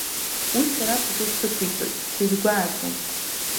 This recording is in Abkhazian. Уи сара пату сықәиҵоит, дсызгәааӡом.